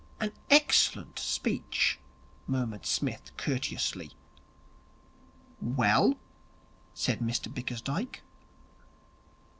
'An excellent speech,' murmured Psmith courteously. 'Well?' said Mr Bickersdyke.